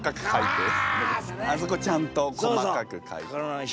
あそこちゃんと細かくかいて。